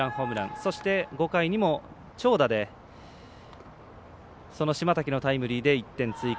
そして５回にも長打でその島瀧のタイムリーで１点追加。